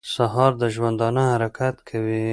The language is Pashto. سهار د ژوندانه حرکت کوي.